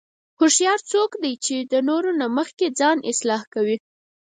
هوښیار څوک دی چې د نورو نه مخکې ځان اصلاح کوي.